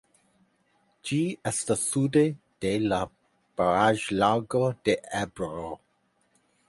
Ĝi estas sude de la Baraĵlago de Ebro.